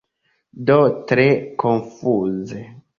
Do tre konfuze.